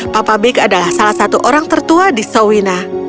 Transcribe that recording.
papa big adalah salah satu orang tertua di sawina